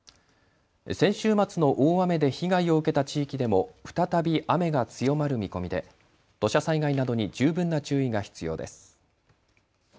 先週末の大雨で被害を受けた地域でも再び雨が強まる見込みで土砂災害などに十分な注意が必要です。